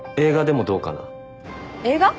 映画？